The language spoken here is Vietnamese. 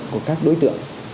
của các đối tượng